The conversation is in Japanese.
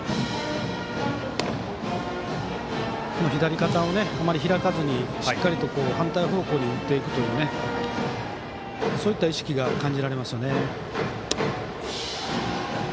左肩をあまり開かずにしっかりと反対方向に打っていくというそういった意識が感じられます。